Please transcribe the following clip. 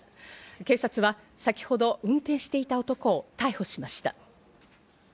警察は先ほど運転していた男を逮捕しました。